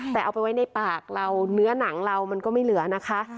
แต่เอาไปไว้ในปากเราเนื้อหนังเรามันก็ไม่เหลือนะคะ